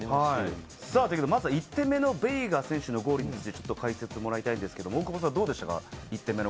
まず１点目のベイガ選手のゴールを解説をもらいたいんですけれど、大久保さん、どうでしたか？